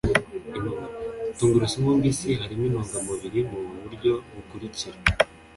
tungurusumu mbisi harimo intungamubiri mu buryo bukurikira